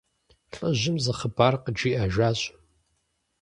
ЛӀыжьым зы хъыбар къыджиӀэжащ.